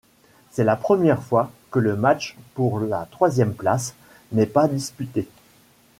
C'est la première fois que le match pour la troisième place n'est pas disputé.